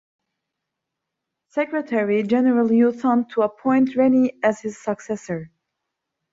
Secretary-General U Thant to appoint Rennie as his successor.